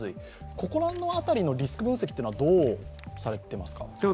ここの辺りのリスク分析はどうされていますか？